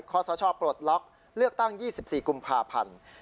สชปลดล็อกเลือกตั้ง๒๔กุมภาพันธ์